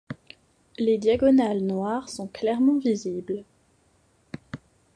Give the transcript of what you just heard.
Les diagonales noires sont clairement visibles.